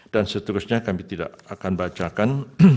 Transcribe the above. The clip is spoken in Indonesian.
dan seterusnya kami tidak akan bacakan